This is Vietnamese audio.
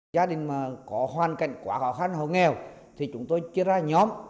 gia đình mà có hoàn cảnh quá khó khăn hộ nghèo thì chúng tôi chia ra nhóm